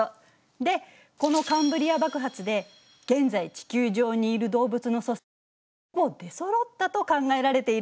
でこのカンブリア爆発で現在地球上にいる動物の祖先がほぼ出そろったと考えられているの。